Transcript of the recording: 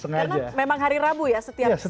karena memang hari rabu ya setiap release nya